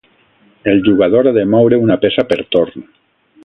El jugador ha de moure una peça per torn.